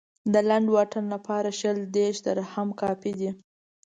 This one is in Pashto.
د لنډ واټن لپاره شل دېرش درهم کافي و.